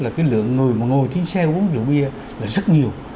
là cái lượng người mà ngồi trên xe uống rượu bia là rất nhiều